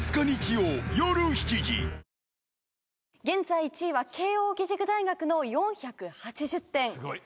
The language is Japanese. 現在１位は慶應義塾大学の４８０点。